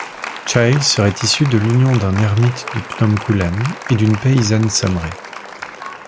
Chay serait issu de l’union d’un ermite du Phnom Kulen et d’une paysanne Samre.